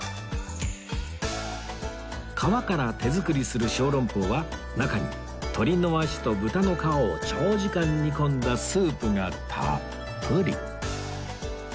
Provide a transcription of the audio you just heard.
皮から手作りする小籠包は中に鶏の足と豚の皮を長時間煮込んだスープがたっぷり